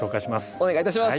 お願いいたします。